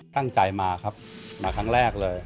ตั้งใจมาครับมาครั้งแรกเลย